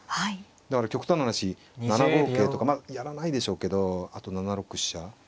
だから極端な話７五桂とかまあやらないでしょうけどあと７六飛車。